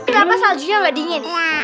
kenapa saljunya gak dingin